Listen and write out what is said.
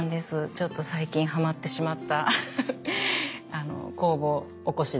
ちょっと最近ハマってしまった酵母からおこす？